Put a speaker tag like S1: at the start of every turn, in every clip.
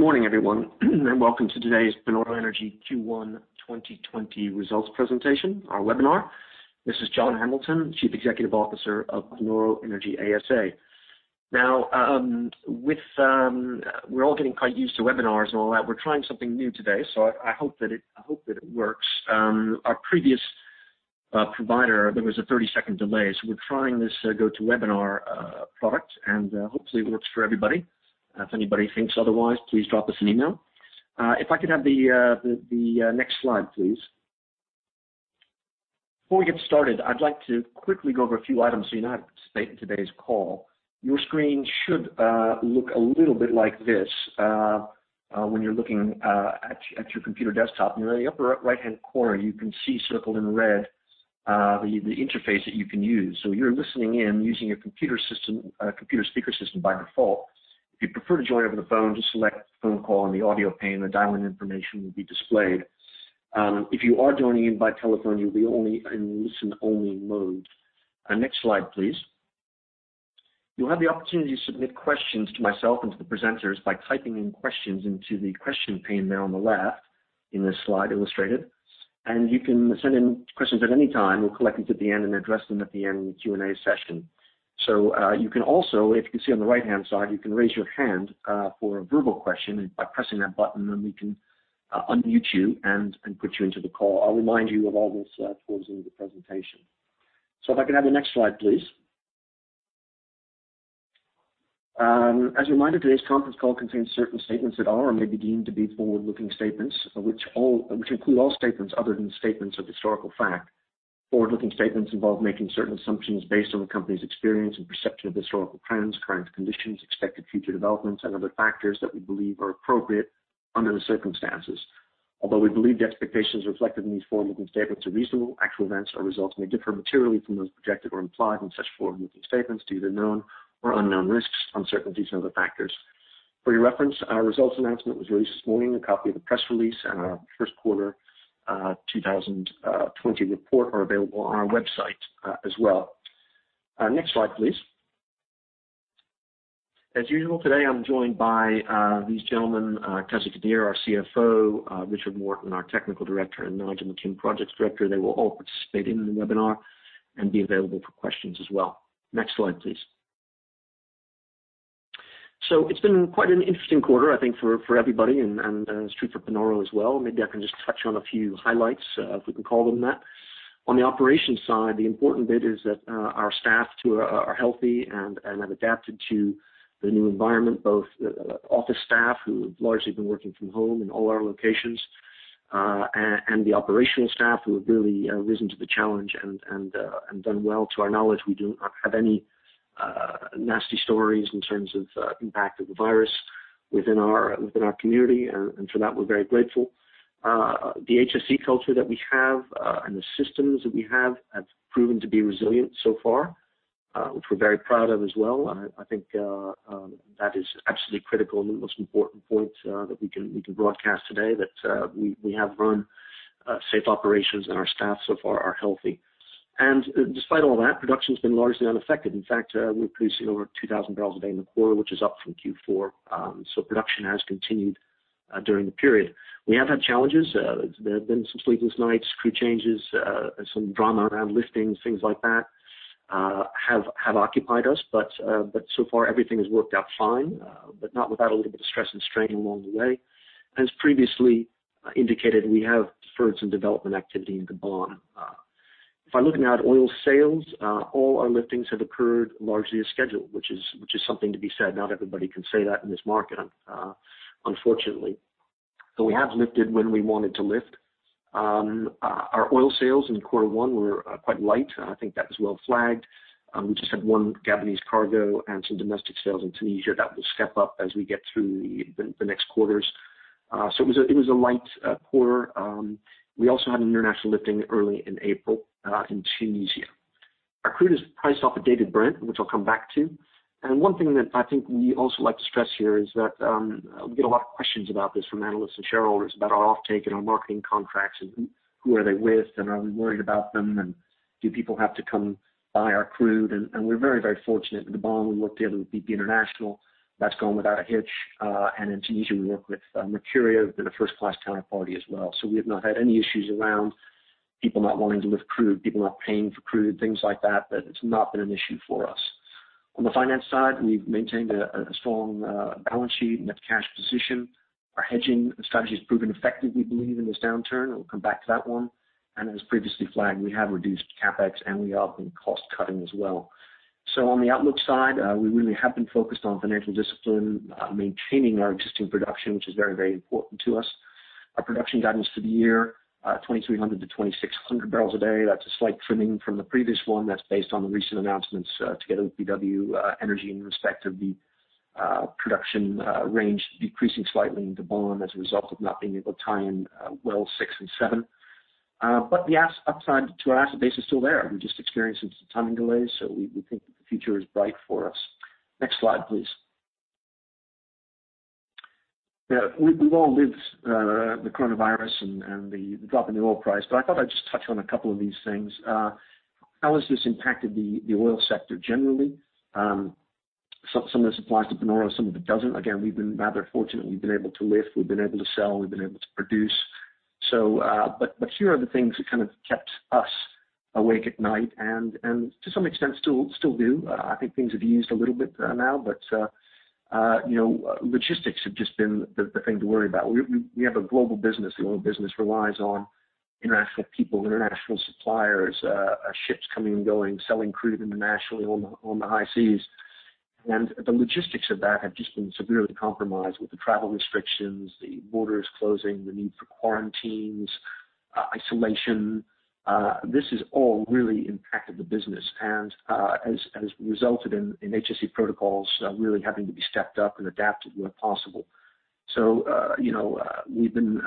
S1: Good morning, everyone. Welcome to today's Panoro Energy Q1 2020 results presentation, our webinar. This is John Hamilton, Chief Executive Officer of Panoro Energy ASA. We're all getting quite used to webinars and all that. We're trying something new today. I hope that it works. Our previous provider, there was a 30-second delay. We're trying this GoToWebinar product, hopefully it works for everybody. If anybody thinks otherwise, please drop us an email. If I could have the next slide, please. Before we get started, I'd like to quickly go over a few items. You know how to participate in today's call. Your screen should look a little bit like this when you're looking at your computer desktop. In the upper right-hand corner, you can see circled in red the interface that you can use. You're listening in using your computer speaker system by default. If you'd prefer to join over the phone, just select phone call in the audio pane, the dial-in information will be displayed. If you are joining in by telephone, you'll be in listen-only mode. Next slide, please. You'll have the opportunity to submit questions to myself and to the presenters by typing in questions into the question pane there on the left in this slide illustrated, and you can send in questions at any time. We'll collect them at the end and address them at the end in the Q&A session. You can also, if you can see on the right-hand side, you can raise your hand for a verbal question by pressing that button, and then we can unmute you and put you into the call. I'll remind you of all this towards the end of the presentation. If I could have the next slide, please. As a reminder, today's conference call contains certain statements that are or may be deemed to be forward-looking statements, which include all statements other than statements of historical fact. Forward-looking statements involve making certain assumptions based on the company's experience and perception of historical trends, current conditions, expected future developments and other factors that we believe are appropriate under the circumstances. Although we believe the expectations reflected in these forward-looking statements are reasonable, actual events or results may differ materially from those projected or implied in such forward-looking statements due to known or unknown risks, uncertainties and other factors. For your reference, our results announcement was released this morning. A copy of the press release and our first quarter 2020 report are available on our website as well. Next slide, please. As usual, today, I'm joined by these gentlemen, Qazi Qadeer, our CFO, Richard Morton, our Technical Director, and Nigel McKim, Projects Director. They will all participate in the webinar and be available for questions as well. Next slide, please. It's been quite an interesting quarter, I think, for everybody, and it's true for Panoro as well. Maybe I can just touch on a few highlights, if we can call them that. On the operations side, the important bit is that our staff too are healthy and have adapted to the new environment, both office staff who have largely been working from home in all our locations, and the operational staff who have really risen to the challenge and done well. To our knowledge, we do not have any nasty stories in terms of impact of the virus within our community, and for that, we're very grateful. The HSE culture that we have and the systems that we have have proven to be resilient so far, which we're very proud of as well. I think that is absolutely critical and the most important point that we can broadcast today, that we have run safe operations, and our staff so far are healthy. Despite all that, production's been largely unaffected. In fact, we're producing over 2,000 bbls a day in the quarter, which is up from Q4. Production has continued during the period. We have had challenges. There have been some sleepless nights, crew changes, some drama around liftings, things like that have occupied us. So far everything has worked out fine but not without a little bit of stress and strain along the way. As previously indicated, we have deferred some development activity in Gabon. If I'm looking at oil sales, all our liftings have occurred largely as scheduled, which is something to be said. Not everybody can say that in this market, unfortunately. We have lifted when we wanted to lift. Our oil sales in quarter one were quite light. I think that was well flagged. We just had one Gabonese cargo and some domestic sales in Tunisia. That will step up as we get through the next quarters. It was a light quarter. We also had an international lifting early in April in Tunisia. Our crude is priced off of Dated Brent, which I'll come back to. One thing that I think we also like to stress here is that we get a lot of questions about this from analysts and shareholders about our offtake and our marketing contracts and who are they with and are we worried about them and do people have to come buy our crude? We're very, very fortunate. In Gabon, we work together with BP International. That's gone without a hitch. In Tunisia, we work with Mercuria. They're a first-class counterparty as well. We have not had any issues around people not wanting to lift crude, people not paying for crude, and things like that. It's not been an issue for us. On the finance side, we've maintained a strong balance sheet, net cash position. Our hedging strategy has proven effective, we believe, in this downturn. We'll come back to that one. As previously flagged, we have reduced CapEx, and we have been cost-cutting as well. On the outlook side, we really have been focused on financial discipline, maintaining our existing production, which is very important to us. Our production guidance for the year, 2,300 to 2,600 bbls a day. That's a slight trimming from the previous one. That's based on the recent announcements together with BW Energy in respect of the production range decreasing slightly in Gabon as a result of not being able to tie in well six and seven. The upside to our asset base is still there. We're just experiencing some timing delays. We think that the future is bright for us. Next slide, please. Yeah. We've all lived the coronavirus and the drop in the oil price. I thought I'd just touch on a couple of these things. How has this impacted the oil sector generally? Some of this applies to Panoro, some of it doesn't. Again, we've been rather fortunate. We've been able to lift, we've been able to sell, we've been able to produce. Here are the things that kept us awake at night and to some extent, still do. I think things have eased a little bit now. Logistics have just been the thing to worry about. We have a global business. The oil business relies on international people, international suppliers, ships coming and going, selling crude internationally on the high seas. The logistics of that have just been severely compromised with the travel restrictions, the borders closing, the need for quarantines, isolation. This has all really impacted the business and has resulted in HSE protocols really having to be stepped up and adapted where possible. We've been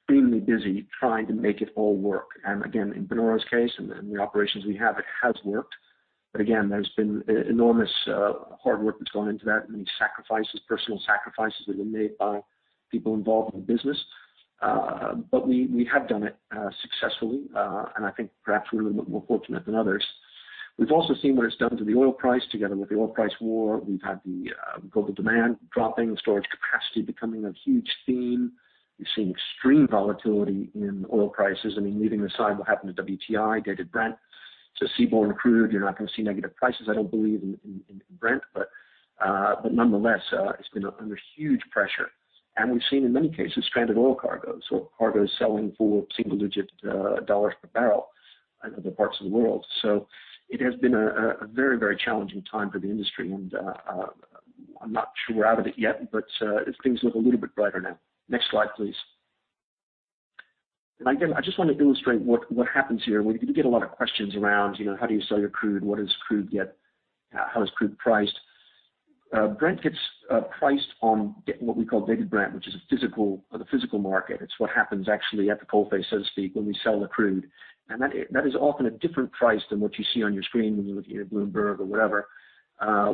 S1: extremely busy trying to make it all work. Again, in Panoro's case and the operations we have, it has worked. Again, there's been enormous hard work that's gone into that. Many sacrifices, personal sacrifices have been made by people involved in the business. We have done it successfully, and I think perhaps we're a little bit more fortunate than others. We've also seen what it's done to the oil price together with the oil price war. We've had the global demand dropping, storage capacity becoming a huge theme. We've seen extreme volatility in oil prices. Leaving aside what happened to WTI, dated Brent to seaborne crude, you're not going to see negative prices, I don't believe in Brent. Nonetheless, it's been under huge pressure. We've seen in many cases, stranded oil cargoes. Cargoes selling for single-digit dollars per bbl in other parts of the world. It has been a very challenging time for the industry, and I'm not sure we're out of it yet, but things look a little bit brighter now. Next slide, please. Again, I just want to illustrate what happens here. We get a lot of questions around, how do you sell your crude? What does crude get? How is crude priced? Brent gets priced on get what we call Dated Brent, which is the physical market. It's what happens actually at the coalface, so to speak, when we sell the crude. That is often a different price than what you see on your screen when you look at your Bloomberg or whatever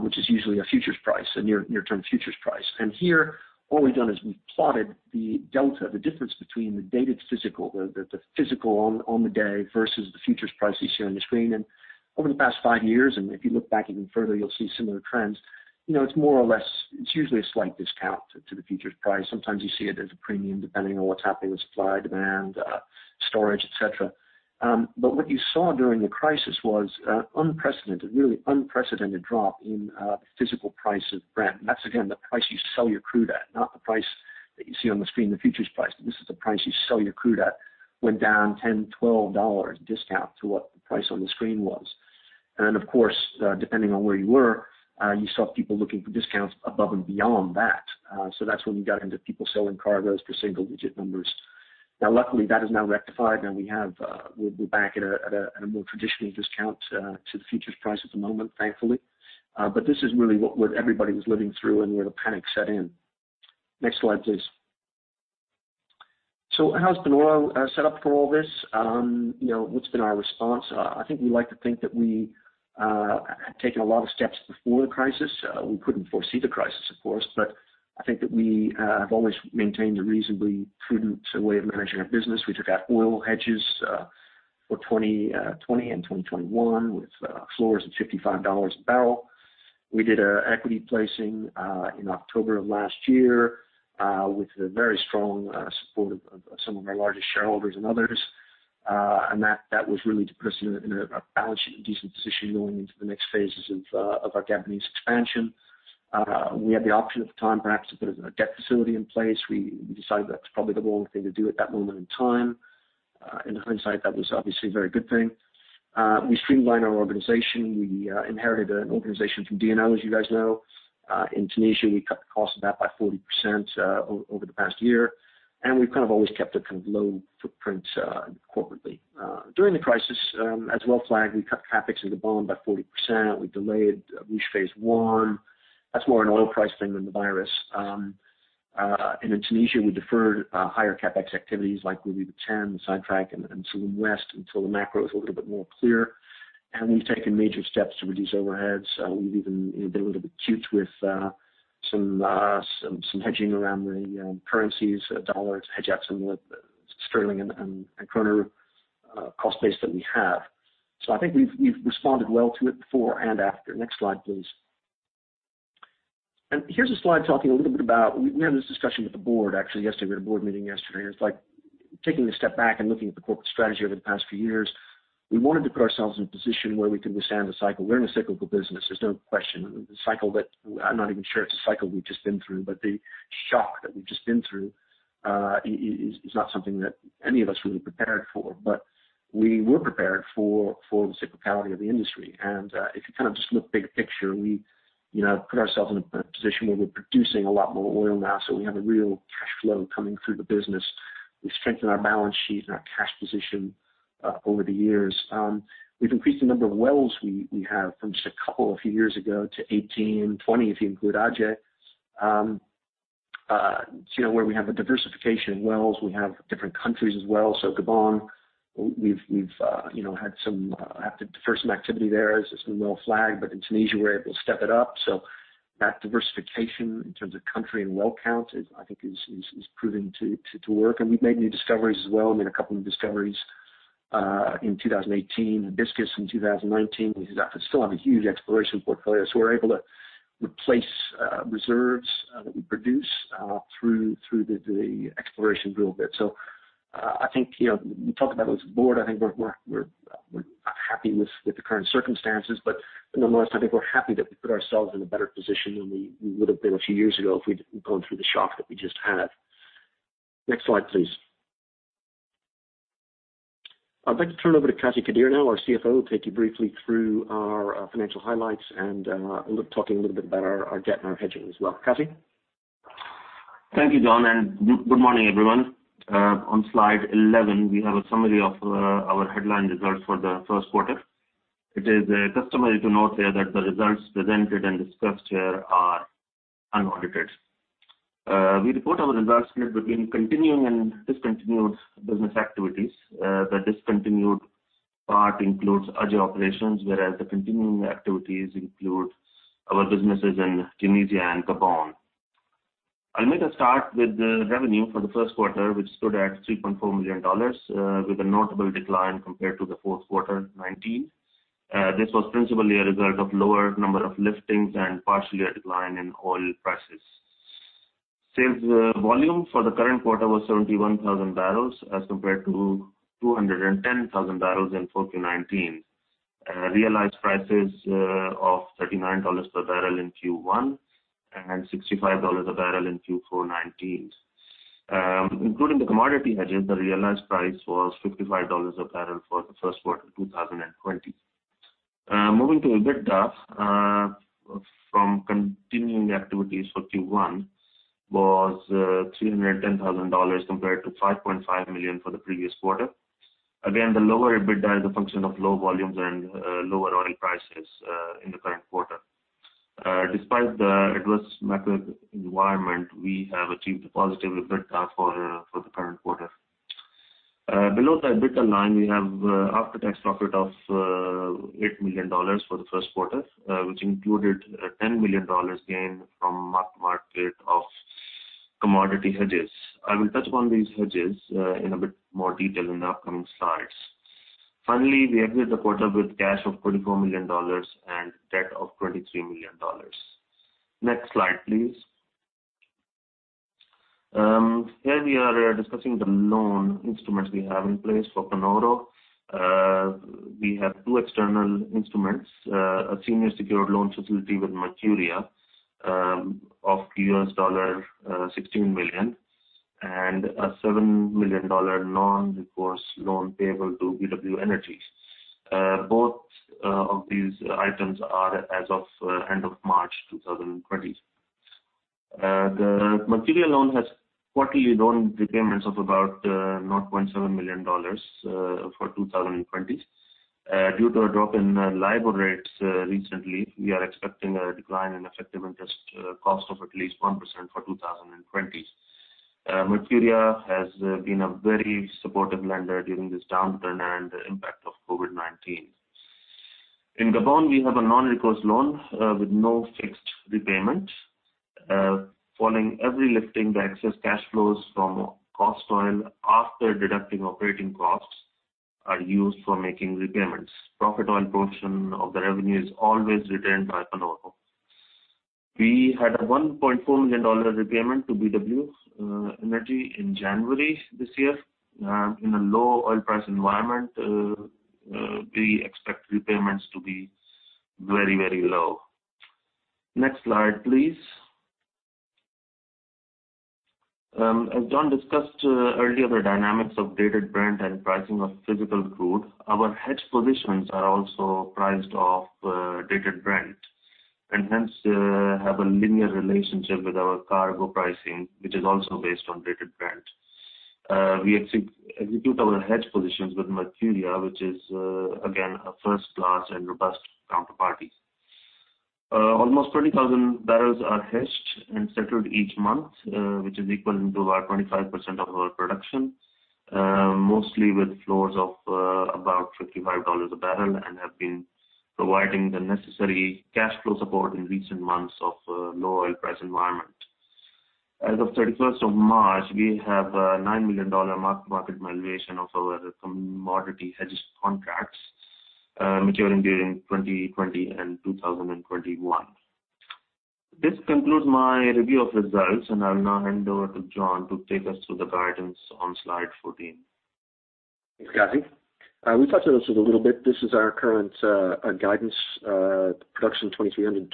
S1: which is usually a futures price, a near-term futures price. Here, all we've done is we've plotted the delta, the difference between the dated physical, the physical on the day versus the futures price you see on your screen. Over the past five years, and if you look back even further, you'll see similar trends. It's more or less, it's usually a slight discount to the futures price. Sometimes you see it as a premium, depending on what's happening with supply, demand, storage, et cetera. What you saw during the crisis was unprecedented, a really unprecedented drop in the physical price of Brent. That's, again, the price you sell your crude at, not the price that you see on the screen, the futures price. This is the price you sell your crude at, went down 10, $12 discount to what the price on the screen was. Of course, depending on where you were, you saw people looking for discounts above and beyond that. That's when we got into people selling cargoes for single-digit numbers. Luckily, that is now rectified. We're back at a more traditional discount to the futures price at the moment, thankfully. This is really what everybody was living through and where the panic set in. Next slide, please. How's Panoro set up for all this? What's been our response? I think we like to think that we had taken a lot of steps before the crisis. We couldn't foresee the crisis, of course, but I think that we have always maintained a reasonably prudent way of managing our business. We took out oil hedges for 2020 and 2021 with floors at $55 a bbl. We did an equity placing in October of last year with the very strong support of some of our largest shareholders and others. That was really to put us in a balance sheet in a decent position going into the next phases of our Gabonese expansion. We had the option at the time perhaps to put a debt facility in place. We decided that's probably the wrong thing to do at that moment in time. In hindsight, that was obviously a very good thing. We streamlined our organization. We inherited an organization from DNO, as you guys know. In Tunisia, we cut the cost of that by 40% over the past year. We've always kept a low footprint corporately. During the crisis, as well flagged, we cut CapEx in Gabon by 40%. We delayed Ruche Phase I. That's more an oil price thing than the virus. In Tunisia, we deferred higher CapEx activities like Guebiba-10, Sidetrack, and Salloum West until the macro is a little bit more clear. We've taken major steps to reduce overheads. We've even been a little bit cute with some hedging around the currencies, dollars to hedge out some of the sterling and kroner cost base that we have. I think we've responded well to it before and after. Next slide, please. Here's a slide talking a little bit about, we had this discussion with the board actually yesterday. We had a board meeting yesterday, and it's like taking a step back and looking at the corporate strategy over the past few years. We wanted to put ourselves in a position where we can withstand the cycle. We're in a cyclical business, there's no question. The cycle that, I'm not even sure it's a cycle we've just been through, but the shock that we've just been through is not something that any of us really prepared for. We were prepared for the cyclicality of the industry. If you just look big picture, we put ourselves in a position where we're producing a lot more oil now, so we have a real cash flow coming through the business. We've strengthened our balance sheet and our cash position over the years. We've increased the number of wells we have from just a couple a few years ago to 18, 20, if you include Aje, where we have a diversification of wells. We have different countries as well. Gabon, we've had to defer some activity there as has been well flagged. In Tunisia, we're able to step it up. That diversification in terms of country and well count, I think is proving to work. We've made new discoveries as well. We made a couple of discoveries in 2018, Hibiscus in 2019. We still have a huge exploration portfolio, so we're able to replace reserves that we produce through the exploration drill bit. I think, we talked about it as a board, I think we're happy with the current circumstances, but nonetheless, I think we're happy that we put ourselves in a better position than we would have been a few years ago if we'd gone through the shock that we just had. Next slide, please. I'd like to turn over to Qazi Qadeer now, our CFO, to take you briefly through our financial highlights and talking a little bit about our debt and our hedging as well. Qazi?
S2: Thank you, John. Good morning, everyone. On slide 11, we have a summary of our headline results for the first quarter. It is customary to note here that the results presented and discussed here are unaudited. We report our results here between continuing and discontinued business activities. The discontinued part includes Aje operations, whereas the continuing activities include our businesses in Tunisia and Gabon. I'll make a start with the revenue for the first quarter, which stood at $3.4 million, with a notable decline compared to the 4Q '19. This was principally a result of lower number of liftings and partially a decline in oil prices. Sales volume for the current quarter was 71,000 bbls as compared to 210,000 bbls in 4Q '19. Realized prices of $39 per bbl in Q1 and $65 a bbl in 4Q '19. Including the commodity hedges, the realized price was $55 a bbl for the first quarter 2020. Moving to EBITDA from continuing activities for Q1 was $310,000 compared to $5.5 million for the previous quarter. The lower EBITDA is a function of low volumes and lower oil prices in the current quarter. Despite the adverse market environment, we have achieved a positive EBITDA for the current quarter. Below the EBITDA line, we have after-tax profit of $8 million for the first quarter, which included a $10 million gain from mark-to-market of commodity hedges. I will touch upon these hedges in a bit more detail in the upcoming slides. We exit the quarter with cash of $24 million and debt of $23 million. Next slide, please. Here we are discussing the known instruments we have in place for Panoro. We have two external instruments, a senior secured loan facility with Mercuria, of $16 million, and a $7 million non-recourse loan payable to BW Energy. Both of these items are as of end of March 2020. The Mercuria loan has quarterly loan repayments of about $0.7 million for 2020. Due to a drop in LIBOR rates recently, we are expecting a decline in effective interest cost of at least 1% for 2020. Mercuria has been a very supportive lender during this downturn and the impact of COVID-19. In Gabon, we have a non-recourse loan with no fixed repayment. Following every lifting, the excess cash flows from cost oil after deducting operating costs are used for making repayments. Profit oil portion of the revenue is always retained by Panoro. We had a $1.4 million repayment to BW Energy in January this year. In a low oil price environment, we expect repayments to be very, very low. Next slide, please. As John discussed earlier, the dynamics of Dated Brent and pricing of physical crude, our hedge positions are also priced off Dated Brent, and hence have a linear relationship with our cargo pricing, which is also based on Dated Brent. We execute our hedge positions with Mercuria, which is, again, a first-class and robust counterparty. Almost 20,000 bbls are hedged and settled each month, which is equivalent to about 25% of our production, mostly with floors of about $55 a bbl and have been providing the necessary cash flow support in recent months of low oil price environment. As of 31st of March, we have a $9 million mark-to-market valuation of our commodity hedges contracts maturing during 2020 and 2021. This concludes my review of results, and I will now hand over to John to take us through the guidance on slide 14.
S1: Thanks, Qazi. We touched on this a little bit. This is our current guidance production, 2,300-2,600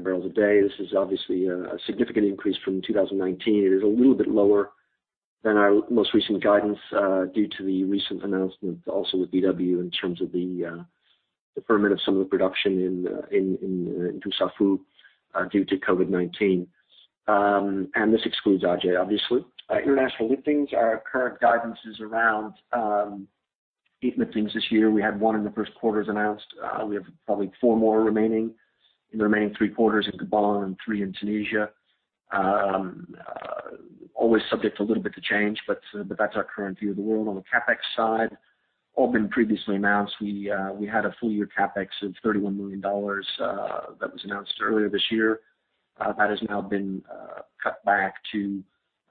S1: bbls a day. This is obviously a significant increase from 2019. It is a little bit lower than our most recent guidance due to the recent announcement also with BW in terms of the deferment of some of the production in Dussafu due to COVID-19. This excludes Aje, obviously. International liftings, our current guidance is around eight liftings this year. We had one in the first quarter, as announced. We have probably four more remaining in the remaining three quarters in Gabon and three in Tunisia. Always subject a little bit to change, but that's our current view of the world. On the CapEx side, all been previously announced. We had a full-year CapEx of $31 million that was announced earlier this year. That has now been cut back to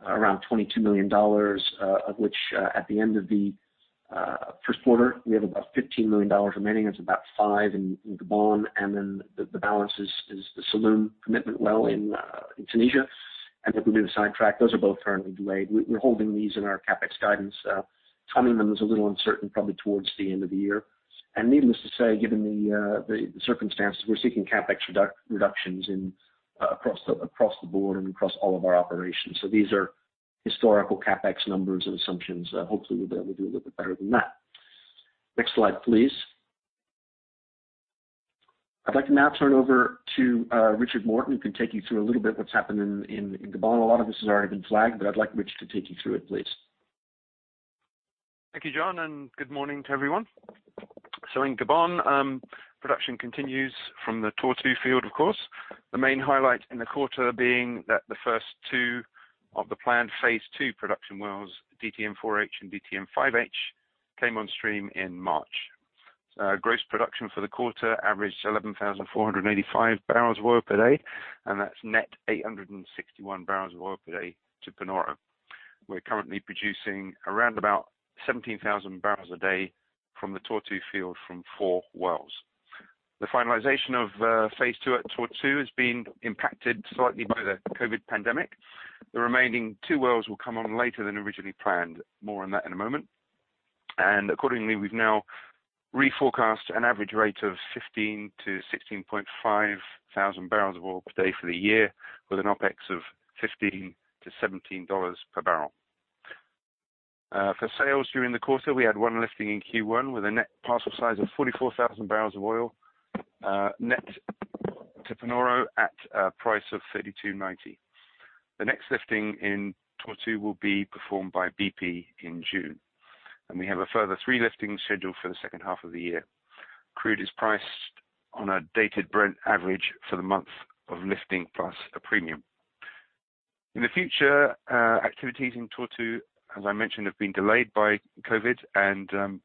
S1: around $22 million, of which at the end of the first quarter, we have about $15 million remaining. That's about five in Gabon, then the balance is the Salloum commitment well in Tunisia. We do the sidetrack. Those are both currently delayed. We're holding these in our CapEx guidance. Timing them is a little uncertain, probably towards the end of the year. Needless to say, given the circumstances, we're seeking CapEx reductions across the board and across all of our operations. These are historical CapEx numbers and assumptions. Hopefully, we'll do a little bit better than that. Next slide, please. I'd like to now turn over to Richard Morton, who can take you through a little bit what's happened in Gabon. A lot of this has already been flagged, but I'd like Rich to take you through it, please.
S3: Thank you, John, and good morning to everyone. In Gabon, production continues from the Tortue field, of course. The main highlight in the quarter being that the first two of the planned phase two production wells, DTM-4H and DTM-5H, came on stream in March. Gross production for the quarter averaged 11,485 bbls of oil per day, and that's net 861 bbls of oil per day to Panoro. We're currently producing around about 17,000 bbls a day from the Tortue field from four wells. The finalization of phase II at Tortue has been impacted slightly by the COVID pandemic. The remaining two wells will come on later than originally planned. More on that in a moment. Accordingly, we've now reforecast an average rate of 15,000-16,500 bbls of oil per day for the year with an OpEx of $15-$17 per bbl. For sales during the quarter, we had one lifting in Q1 with a net parcel size of 44,000 bbls of oil net to Panoro at a price of $32.90. The next lifting in Tortue will be performed by BP in June. We have a further three liftings scheduled for the second half of the year. Crude is priced on a Dated Brent average for the month of lifting plus a premium. In the future, activities in Tortue, as I mentioned, have been delayed by COVID and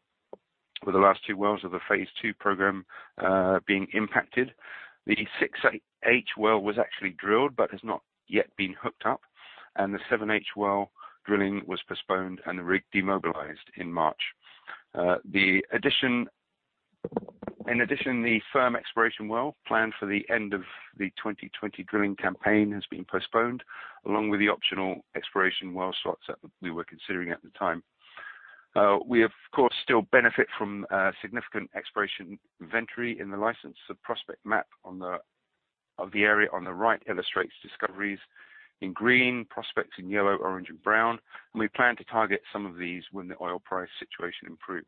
S3: with the last two wells of the phase two program being impacted. The 6H well was actually drilled but has not yet been hooked up, and the 7H well drilling was postponed and the rig demobilized in March. In addition, the firm exploration well planned for the end of the 2020 drilling campaign has been postponed, along with the optional exploration well slots that we were considering at the time. We of course still benefit from significant exploration inventory in the license. The prospect map of the area on the right illustrates discoveries in green, prospects in yellow, orange, and brown, and we plan to target some of these when the oil price situation improves.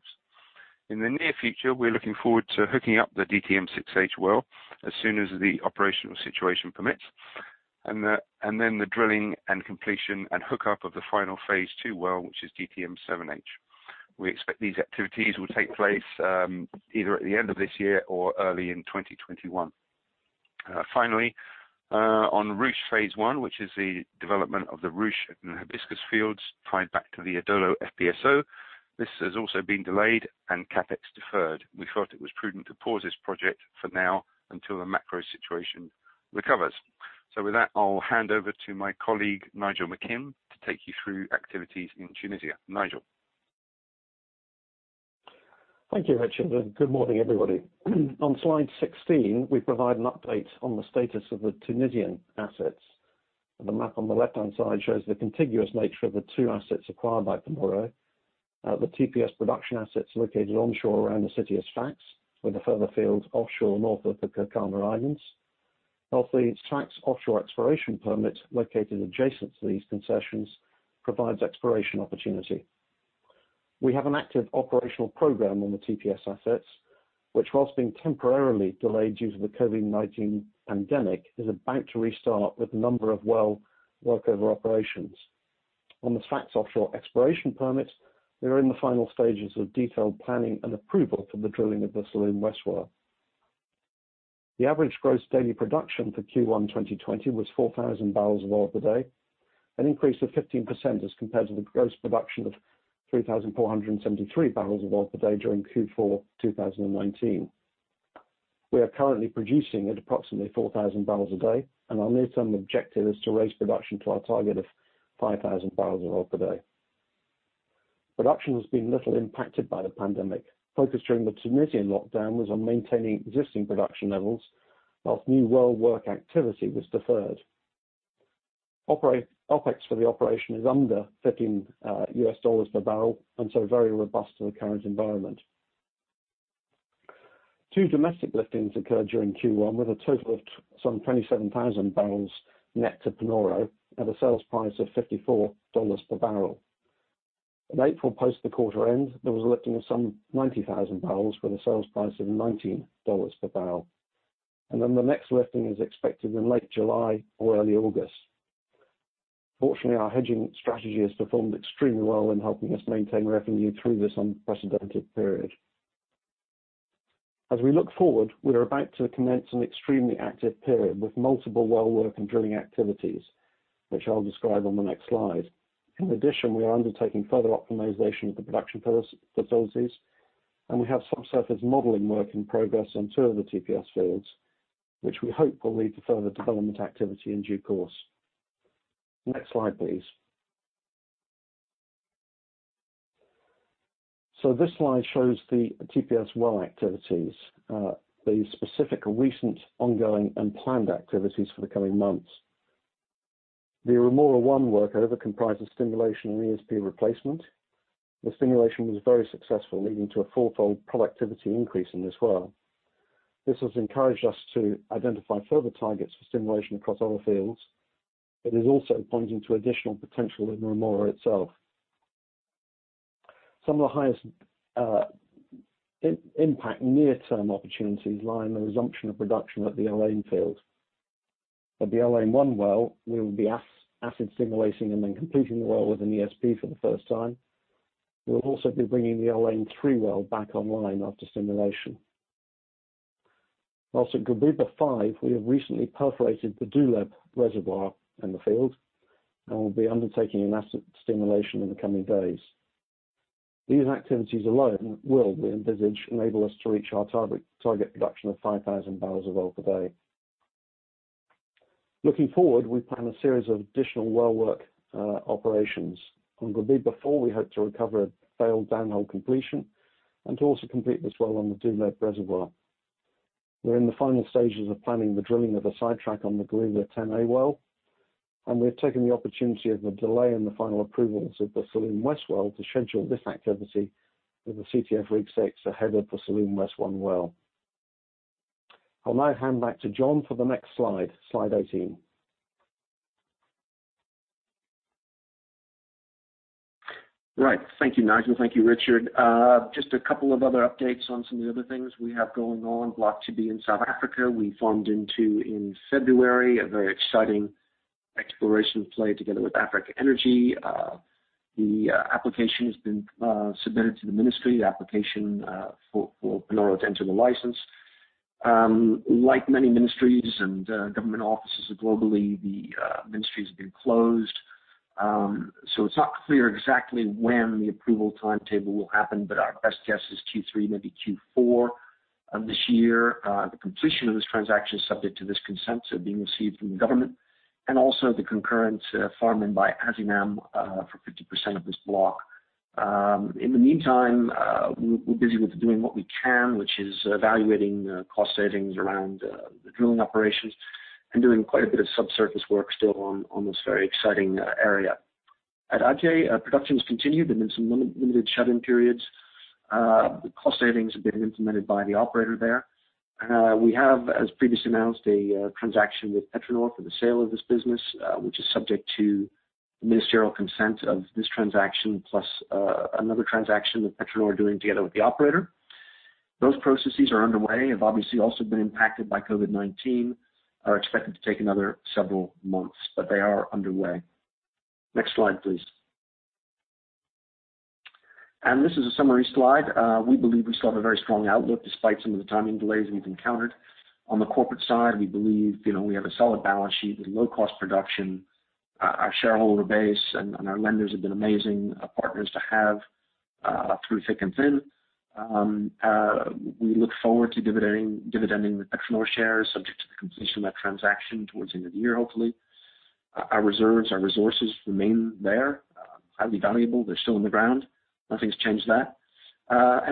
S3: In the near future, we're looking forward to hooking up the DTM-6H well as soon as the operational situation permits, and then the drilling and completion and hookup of the final phase two well, which is DTM-7H. We expect these activities will take place either at the end of this year or early in 2021. Finally, on Ruche Phase One, which is the development of the Ruche and Hibiscus fields tied back to the Adolo FPSO, this has also been delayed and CapEx deferred. We thought it was prudent to pause this project for now until the macro situation recovers. With that, I'll hand over to my colleague, Nigel McKim, to take you through activities in Tunisia. Nigel.
S4: Thank you, Richard. Good morning, everybody. On slide 16, we provide an update on the status of the Tunisia assets. The map on the left-hand side shows the contiguous nature of the two assets acquired by Panoro. The TPS production assets located onshore around the city of Sfax with a further field offshore north of the Kerkennah Islands. Of the Sfax offshore exploration permit located adjacent to these concessions provides exploration opportunity. We have an active operational program on the TPS assets, which while being temporarily delayed due to the COVID-19 pandemic, is about to restart with a number of well workover operations. On the Sfax offshore exploration permits, we are in the final stages of detailed planning and approval for the drilling of the Salloum West well. The average gross daily production for Q1 2020 was 4,000 bbls of oil per day, an increase of 15% as compared to the gross production of 3,473 bbls of oil per day during Q4 2019. We are currently producing at approximately 4,000 bbls a day, and our near-term objective is to raise production to our target of 5,000 bbls of oil per day. Production has been little impacted by the pandemic. Focus during the Tunisian lockdown was on maintaining existing production levels whilst new well work activity was deferred. OpEx for the operation is under $15 per bbl, and so very robust in the current environment. Two domestic liftings occurred during Q1 with a total of some 27,000 bbls net to Panoro at a sales price of $54 per bbl. In April, post the quarter end, there was a lifting of some 90,000 bbls with a sales price of $19 per bbl. The next lifting is expected in late July or early August. Fortunately, our hedging strategy has performed extremely well in helping us maintain revenue through this unprecedented period. As we look forward, we are about to commence an extremely active period with multiple well work and drilling activities, which I'll describe on the next slide. In addition, we are undertaking further optimization of the production facilities, and we have subsurface modeling work in progress on two of the TPS fields, which we hope will lead to further development activity in due course. Next slide, please. This slide shows the TPS well activities, the specific recent ongoing and planned activities for the coming months. The Rhemoura 1 workover comprises stimulation and ESP replacement. The stimulation was very successful, leading to a four-fold productivity increase in this well. This has encouraged us to identify further targets for stimulation across other fields, but is also pointing to additional potential in Rhemoura itself. Some of the highest impact near-term opportunities lie in the resumption of production at the Al-Ghaith field. At the Al-Ghaith 1 well, we will be acid stimulating and then completing the well with an ESP for the first time. We will also be bringing the Al-Ghaith 3 well back online after stimulation. Also, at Guebiba 5, we have recently perforated the Douleb reservoir in the field, and we'll be undertaking an acid stimulation in the coming days. These activities alone will, we envisage, enable us to reach our target production of 5,000 bbls of oil per day. Looking forward, we plan a series of additional well work operations. On Guebiba 4 we hope to recover a bailed downhole completion and to also complete this well on the Douleb reservoir. We have taken the opportunity of the delay in the final approvals of the Salloum West well to schedule this activity with the CTF Rig 6 ahead of the Salloum West 1 well. I'll now hand back to John for the next slide 18.
S1: Right. Thank you, Nigel. Thank you, Richard. Just a couple of other updates on some of the other things we have going on. Block 2B in South Africa, we farmed into in February, a very exciting exploration play together with Africa Energy. The application has been submitted to the ministry, the application for Panoro to enter the license. Like many ministries and government offices globally, the ministry has been closed. It's not clear exactly when the approval timetable will happen, but our best guess is Q3, maybe Q4 of this year. The completion of this transaction is subject to this consent being received from the government. Also the concurrent farming by Azinam for 50% of this block. In the meantime, we're busy with doing what we can, which is evaluating cost savings around the drilling operations and doing quite a bit of subsurface work still on this very exciting area. At Aje, production's continued. There have been some limited shutdown periods. Cost savings have been implemented by the operator there. We have, as previously announced, a transaction with PetroNor for the sale of this business, which is subject to the ministerial consent of this transaction, plus another transaction that PetroNor are doing together with the operator. Those processes are underway, have obviously also been impacted by COVID-19, are expected to take another several months, but they are underway. Next slide, please. This is a summary slide. We believe we still have a very strong outlook despite some of the timing delays we've encountered. On the corporate side, we believe we have a solid balance sheet with low-cost production. Our shareholder base and our lenders have been amazing partners to have through thick and thin. We look forward to dividending the PetroNor shares subject to the completion of that transaction towards the end of the year, hopefully. Our reserves, our resources remain there, highly valuable. They're still in the ground. Nothing's changed that.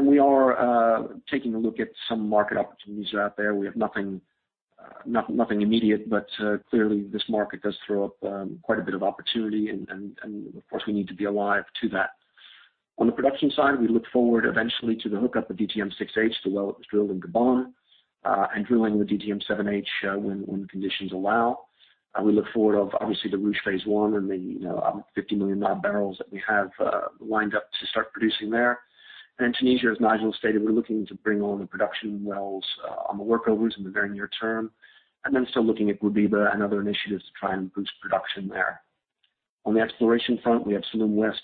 S1: We are taking a look at some market opportunities that are out there. We have nothing immediate, but clearly, this market does throw up quite a bit of opportunity, and of course, we need to be alive to that. On the production side, we look forward eventually to the hookup of DTM-6H, the well that was drilled in Gabon, and drilling the DTM-7H when the conditions allow. We look forward, obviously, to Ruche Phase I and the 50 million odd bbls that we have lined up to start producing there. Tunisia, as Nigel stated, we're looking to bring on the production wells on the workovers in the very near term, and then still looking at Guebiba and other initiatives to try and boost production there. On the exploration front, we have Salloum West,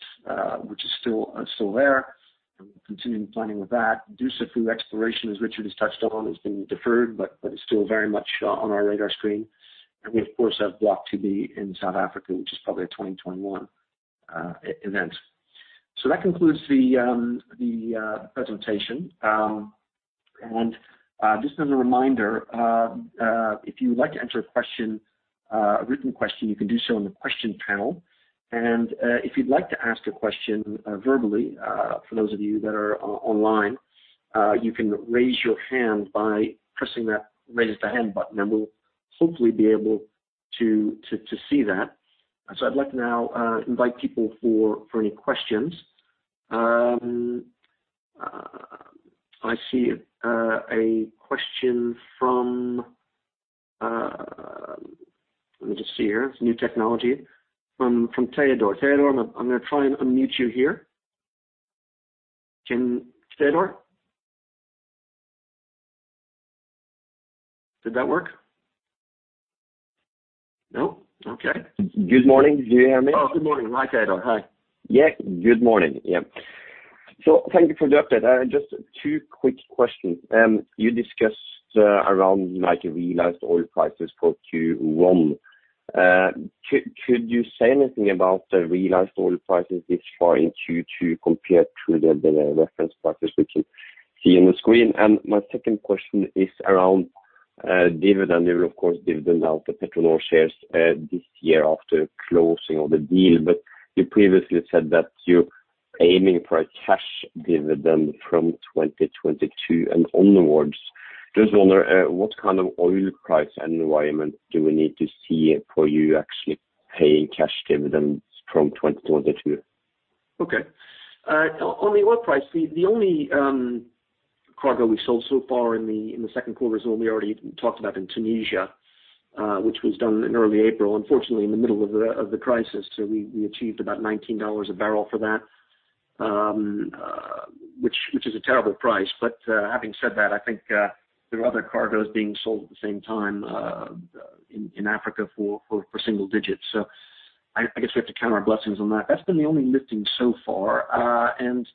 S1: which is still there, and we're continuing planning with that. Dussafu exploration, as Richard has touched on, has been deferred but is still very much on our radar screen. We, of course, have Block 2B in South Africa, which is probably a 2021 event. That concludes the presentation. Just as a reminder, if you would like to enter a question, a written question, you can do so in the question panel. If you'd like to ask a question verbally, for those of you that are online, you can raise your hand by pressing that raise the hand button, and we'll hopefully be able to see that. I'd like to now invite people for any questions. I see a question from Let me just see here. New technology. From Teodor. Teodor, I'm going to try and unmute you here. Teodor? Did that work? Okay.
S5: Good morning. Do you hear me?
S1: Oh, good morning, Mike Ador. Hi.
S5: Yeah. Good morning. Thank you for the update. Just two quick questions. You discussed around realized oil prices for Q1. Could you say anything about the realized oil prices this far into Q2 compared to the reference prices we can see on the screen? My second question is around dividend. You will, of course, dividend out the PetroNor shares this year after closing of the deal. You previously said that you're aiming for a cash dividend from 2022 and onwards. Just wonder, what kind of oil price environment do we need to see for you actually paying cash dividends from 2022?
S1: On the oil price, the only cargo we sold so far in the second quarter is the one we already talked about in Tunisia, which was done in early April, unfortunately in the middle of the crisis. We achieved about $19 a bbl for that, which is a terrible price. Having said that, I think there are other cargoes being sold at the same time in Africa for single digits. I guess we have to count our blessings on that. That's been the only lifting so far.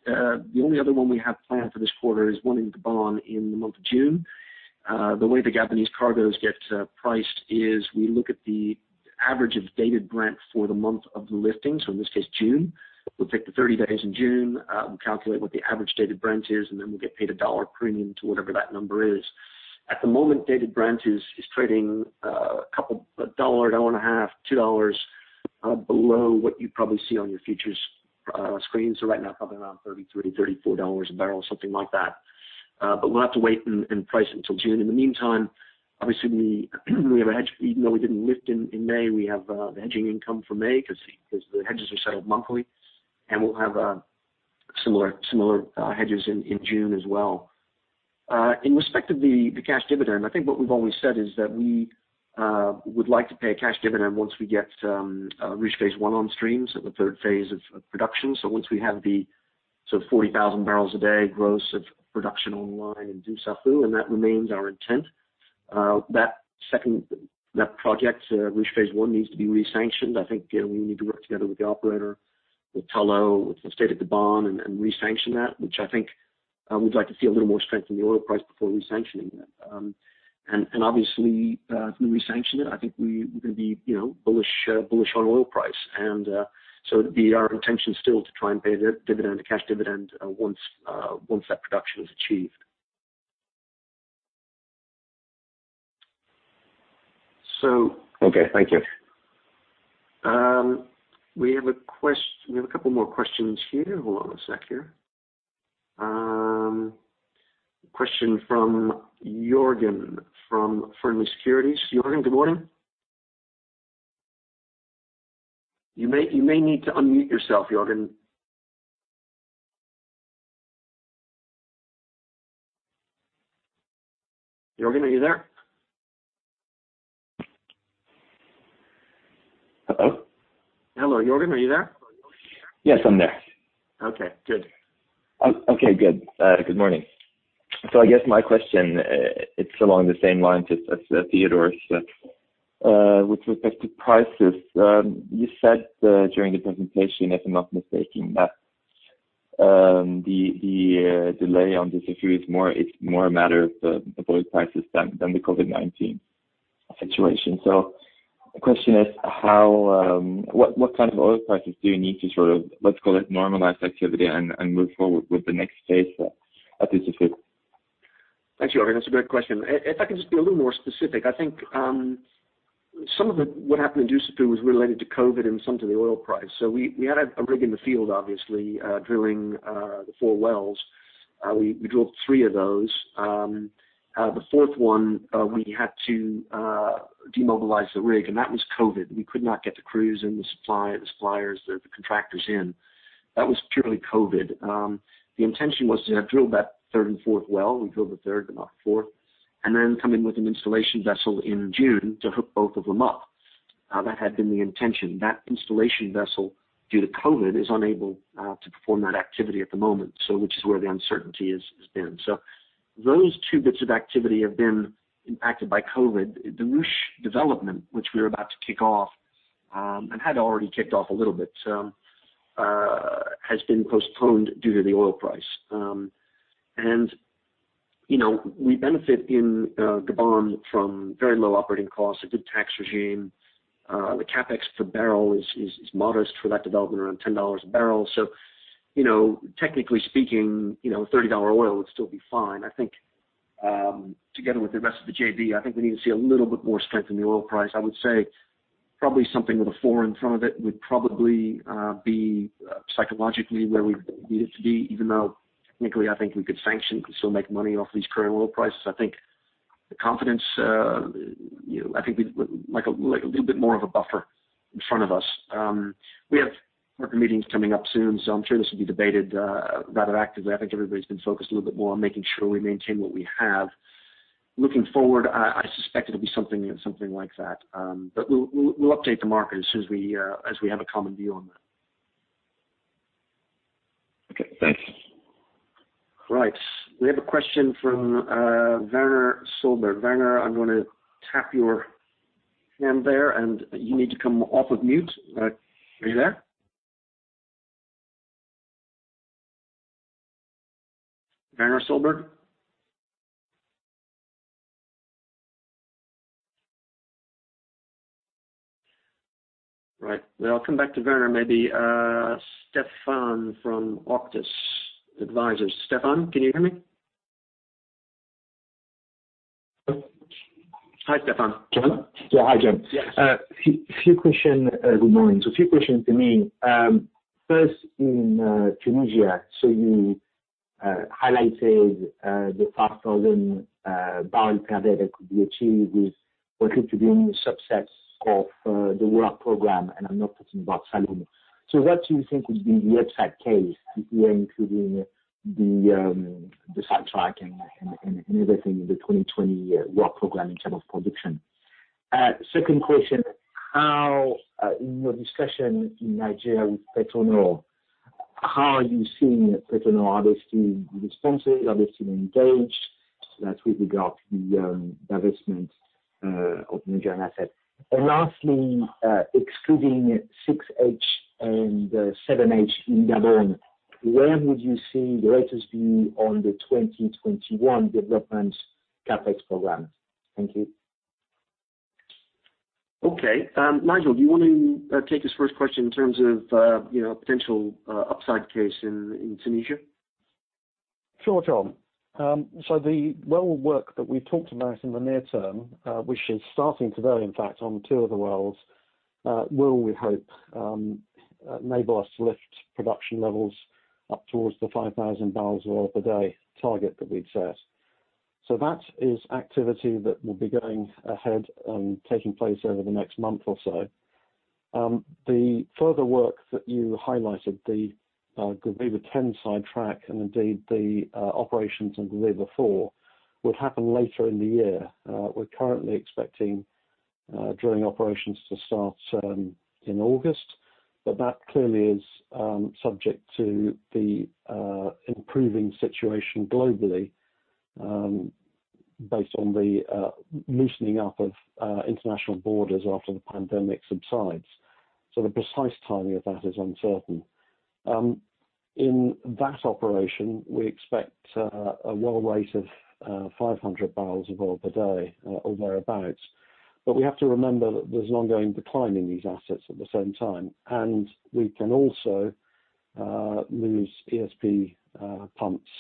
S1: The only other one we have planned for this quarter is one in Gabon in the month of June. The way the Gabonese cargoes get priced is we look at the average of Dated Brent for the month of the lifting, so in this case, June. We'll take the 30 days in June, we'll calculate what the average Dated Brent is, and then we'll get paid a $1 premium to whatever that number is. At the moment, Dated Brent is trading $1, $1.50, $2 below what you probably see on your futures screen. Right now, probably around $33, $34 a bbl, something like that. We'll have to wait and price it until June. In the meantime, obviously, even though we didn't lift in May, we have the hedging income from May because the hedges are settled monthly, and we'll have similar hedges in June as well. In respect of the cash dividend, I think what we've always said is that we would like to pay a cash dividend once we reach phase I on streams at the third phase of production. Once we have the 40,000 bbls a day gross of production online in Dussafu, that remains our intent. That project Ruche phase I needs to be re-sanctioned. I think we need to work together with the operator, with Tullow, with the state of Gabon and re-sanction that. I think we'd like to see a little more strength in the oil price before re-sanctioning that. Obviously, when we re-sanction it, I think we're going to be bullish on oil price. It'd be our intention still to try and pay the cash dividend once that production is achieved.
S5: Okay. Thank you.
S1: We have a couple more questions here. Hold on a sec here. A question from Jorgen from Fearnley Securities. Jorgen, good morning. You may need to unmute yourself, Jorgen. Jorgen, are you there?
S6: Hello?
S1: Hello, Jorgen, are you there?
S6: Yes, I'm there.
S1: Okay, good.
S6: Okay, good. Good morning. I guess my question, it's along the same lines as Teodor's. With respect to prices, you said during the presentation, if I'm not mistaken, that the delay on Dussafu is more a matter of the oil prices than the COVID-19 situation. The question is, what kind of oil prices do you need to, let's call it normalized activity, and move forward with the next phase at Dussafu?
S1: Thanks, Jorgen. That's a great question. I can just be a little more specific, I think some of what happened in Dussafu was related to COVID and some to the oil price. We had a rig in the field, obviously, drilling the four wells. We drilled three of those. The fourth one, we had to demobilize the rig, and that was COVID. We could not get the crews and the suppliers, the contractors in. That was purely COVID. The intention was to have drilled that third and fourth well. We drilled the third, but not fourth, and then come in with an installation vessel in June to hook both of them up. That had been the intention. That installation vessel, due to COVID, is unable to perform that activity at the moment. Which is where the uncertainty has been. Those two bits of activity have been impacted by COVID. The Ruche development, which we were about to kick off, and had already kicked off a little bit, has been postponed due to the oil price. We benefit in Gabon from very low operating costs, a good tax regime. The CapEx per bbl is modest for that development, around $10 a bbl. Technically speaking, $30 oil would still be fine. I think together with the rest of the JV, I think we need to see a little bit more strength in the oil price. I would say probably something with a four in front of it would probably be psychologically where we would need it to be, even though technically, I think we could sanction and still make money off these current oil prices. I think we'd like a little bit more of a buffer in front of us. We have partner meetings coming up soon. I'm sure this will be debated rather actively. I think everybody's been focused a little bit more on making sure we maintain what we have. Looking forward, I suspect it'll be something like that. We'll update the market as soon as we have a common view on that.
S6: Thanks.
S1: Right. We have a question from Werner Solberg. Werner, I'm going to tap your hand there, and you need to come off of mute. Are you there? Werner Solberg? Right. Well, I'll come back to Werner, maybe Stephen from Auctus Advisors. Stephen, can you hear me? Hi, Stephan.
S7: John? Yeah. Hi, John.
S1: Yes.
S7: A few questions. Good morning. A few questions to me. First, in Tunisia, you highlighted the 5,000 bbl per day that could be achieved with working to the new subsets of the work program, and I'm not talking about Salloum. What do you think would be the upside case if we're including the sidetrack and everything in the 2020 work program in terms of production? Second question, in your discussion in Nigeria with PetroNor, how are you seeing PetroNor? Are they still responsive? Are they still engaged, that with regard to the divestment of Nigerian assets? Lastly, excluding 6H and 7H in Gabon, where would you see the latest view on the 2021 development CapEx program? Thank you.
S1: Okay. Nigel, do you want to take his first question in terms of potential upside case in Tunisia?
S4: Sure, John. The well work that we talked about in the near term, which is starting today, in fact, on two of the wells, will, we hope, enable us to lift production levels up towards the 5,000 bbls of oil per day target that we've set. That is activity that will be going ahead, taking place over the next month or so. The further work that you highlighted, the Guebiba-10 sidetrack, and indeed the operations on Guebiba 4, would happen later in the year. We're currently expecting drilling operations to start in August, but that clearly is subject to the improving situation globally, based on the loosening up of international borders after the pandemic subsides. The precise timing of that is uncertain. In that operation, we expect a well rate of 500 bbls of oil per day or thereabouts. We have to remember that there's an ongoing decline in these assets at the same time, and we can also lose ESP pumps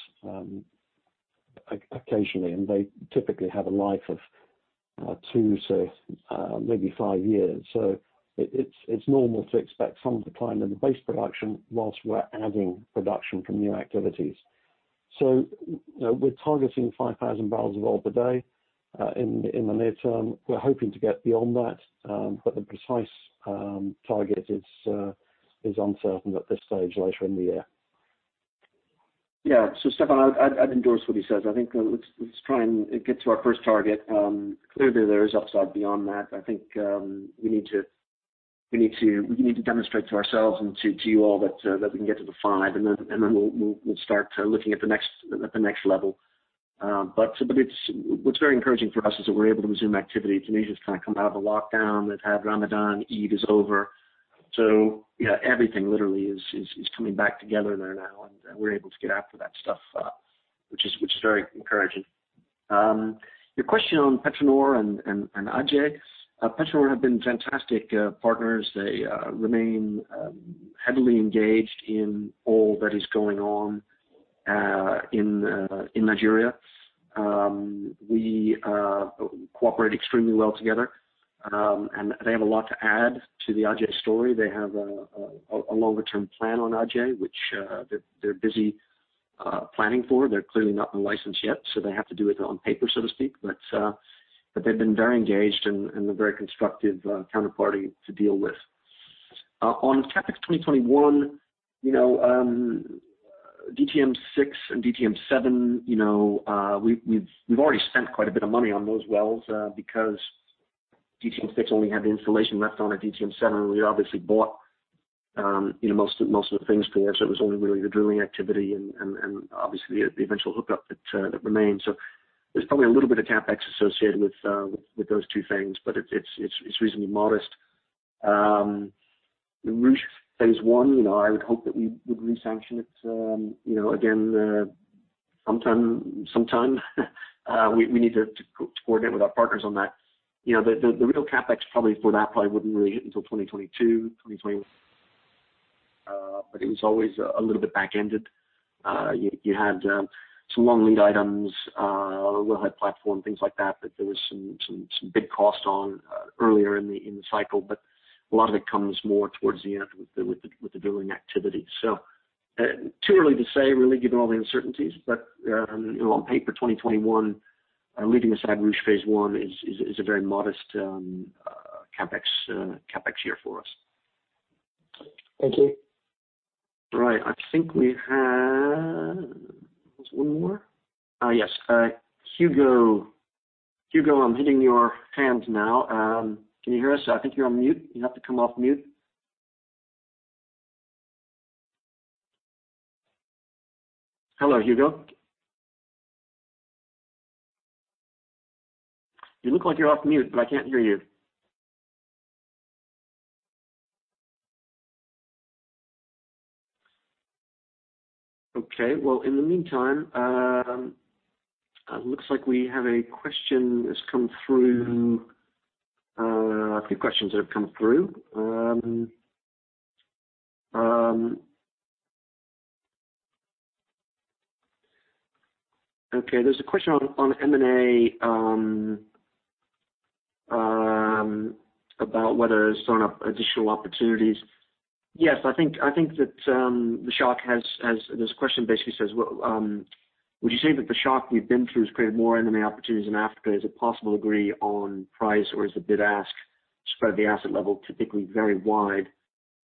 S4: occasionally, and they typically have a life of two to maybe five years. It's normal to expect some decline in the base production whilst we're adding production from new activities. We're targeting 5,000 bbls of oil per day in the near term. We're hoping to get beyond that, but the precise target is uncertain at this stage later in the year.
S1: Yeah. Stephen, I'd endorse what he says. I think let's try and get to our first target. Clearly, there is upside beyond that. I think we need to demonstrate to ourselves and to you all that we can get to the five, and then we'll start looking at the next level. What's very encouraging for us is that we're able to resume activity. Tunisia has kind of come out of the lockdown. They've had Ramadan. Eid is over. Yeah, everything literally is coming back together there now, and we're able to get after that stuff, which is very encouraging. Your question on PetroNor and Aje. PetroNor have been fantastic partners. They remain heavily engaged in all that is going on in Nigeria. We cooperate extremely well together, and they have a lot to add to the Aje story. They have a longer-term plan on Aje, which they're busy planning for. They're clearly not in license yet, so they have to do it on paper, so to speak. They've been very engaged and a very constructive counterparty to deal with. On CapEx 2021, DTM-6H and DTM-7H we've already spent quite a bit of money on those wells because DTM-6H only had the installation left on it. DTM-7H, we obviously bought most of the things there, so it was only really the drilling activity and obviously the eventual hookup that remained. There's probably a little bit of CapEx associated with those two things, but it's reasonably modest. The Ruche Phase One, I would hope that we would re-sanction it again sometime. We need to coordinate with our partners on that. The real CapEx probably for that probably wouldn't really hit until 2022, 2020. It was always a little bit back-ended. You had some long lead items, a wellhead platform, things like that there was some big cost on earlier in the cycle, but a lot of it comes more towards the end with the drilling activity. Too early to say, really, given all the uncertainties, but on paper, 2021, leaving aside Ruche Phase One is a very modest CapEx year for us.
S7: Thank you.
S1: Right. I think we have one more? Yes. Hugo, I'm hitting your hand now. Can you hear us? I think you're on mute. You have to come off mute. Hello, Hugo? You look like you're off mute, I can't hear you. Okay. Well, in the meantime, it looks like we have a question that's come through. A few questions that have come through. Okay, there's a question on M&A about whether there's additional opportunities. Yes, I think that This question basically says, would you say that the shock we've been through has created more M&A opportunities in Africa? Is it possible to agree on price or is the bid-ask spread at the asset level typically very wide?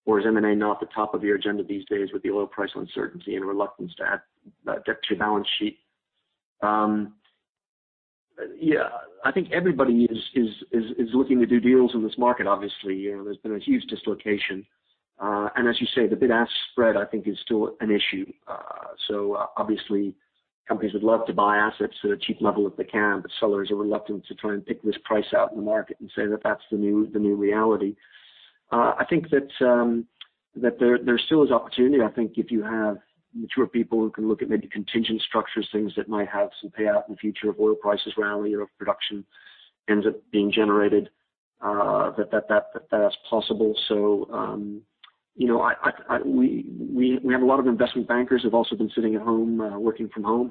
S1: Is M&A not the top of your agenda these days with the oil price uncertainty and reluctance to add debt to your balance sheet? Yeah. I think everybody is looking to do deals in this market, obviously. There's been a huge dislocation. As you say, the bid-ask spread, I think, is still an issue. Obviously, companies would love to buy assets at a cheap level if they can, but sellers are reluctant to try and pick this price out in the market and say that that's the new reality. I think that there still is opportunity, I think, if you have mature people who can look at maybe contingent structures, things that might have some payout in the future if oil prices rally or if production ends up being generated, that that's possible. We have a lot of investment bankers who've also been sitting at home, working from home,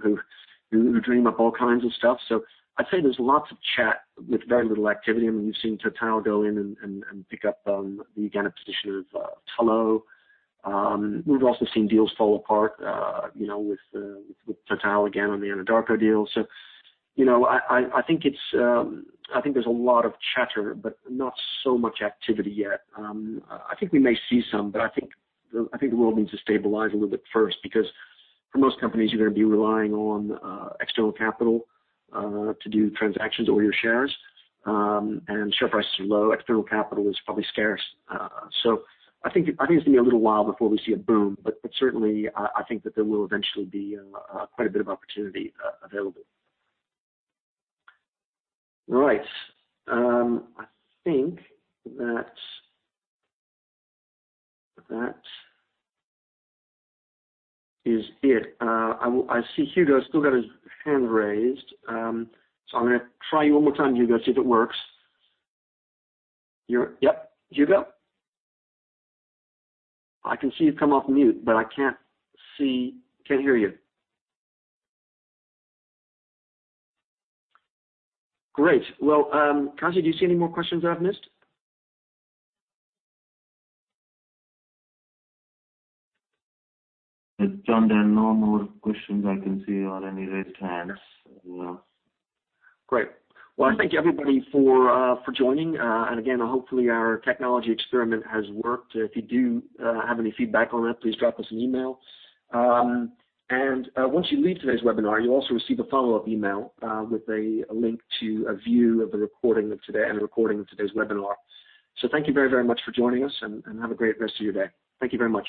S1: who dream up all kinds of stuff. I'd say there's lots of chat with very little activity. You've seen Total go in and pick up the position of Tullow. We've also seen deals fall apart with Total again on the Anadarko deal. I think there's a lot of chatter, but not so much activity yet. I think we may see some, but I think the world needs to stabilize a little bit first, because for most companies, you're going to be relying on external capital to do transactions or your shares. Share prices are low. External capital is probably scarce. I think it's going to be a little while before we see a boom. Certainly, I think that there will eventually be quite a bit of opportunity available. All right. I think that is it. I see Hugo's still got his hand raised. I'm going to try you one more time, Hugo, see if it works. Yep, Hugo? I can see you've come off mute, but I can't hear you. Great. Well, Qazi, do you see any more questions that I've missed?
S2: John, there are no more questions I can see or any raised hands. Yeah.
S1: Great. Well, thank you, everybody, for joining. Again, hopefully, our technology experiment has worked. If you do have any feedback on that, please drop us an email. Once you leave today's webinar, you'll also receive a follow-up email with a link to a view of the recording of today and a recording of today's webinar. Thank you very, very much for joining us, and have a great rest of your day. Thank you very much.